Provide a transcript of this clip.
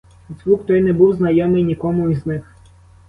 Звук той не був знайомий нікому із них.